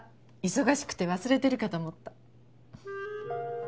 忙しくて忘れてるかと思った。